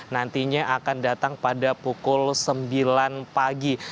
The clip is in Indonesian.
nantinya akan datang pada pukul sembilan pagi